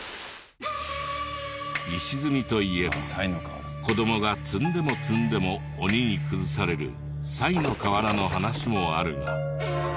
石積みといえば子供が積んでも積んでも鬼に崩される賽の河原の話もあるが。